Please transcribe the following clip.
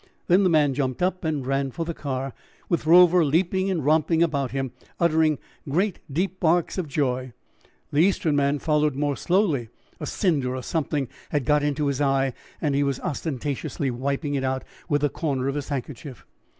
Then the man jumped up and ran for the car, with Rover leaping and romping about him, uttering great deep barks of joy. The Eastern man followed more slowly; a cinder or something had got into his eye, and he was ostentatiously wiping it out with the corner of his handkerchief.